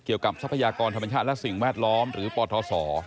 ทรัพยากรธรรมชาติและสิ่งแวดล้อมหรือปทศ